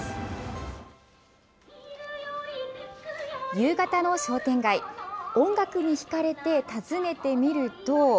夕方の商店街、音楽に引かれて訪ねてみると。